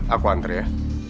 aku antar ya